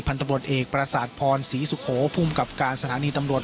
พันธุ์ตำรวจเอกปราศาสตร์พรศรีสุโขภูมิกับการสถานีตำรวจ